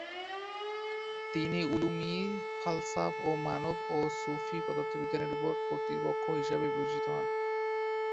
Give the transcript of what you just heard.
তিনি উলুম-ই-ফালসাফ ও মানক ও সুফি পদার্থবিজ্ঞানের উপর কর্তৃপক্ষ হিসাবে বিবেচিত হন।